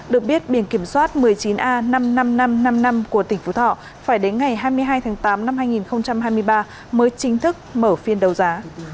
được biết biển kiểm soát một mươi chín a năm mươi năm nghìn năm trăm năm mươi năm của tỉnh phú thọ phải đến ngày hai mươi hai tháng tám năm hai nghìn hai mươi ba mới chính thức mở phiên đầu giá